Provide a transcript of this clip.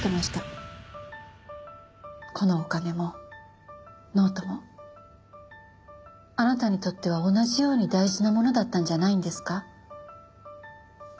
このお金もノートもあなたにとっては同じように大事なものだったんじゃないんですか？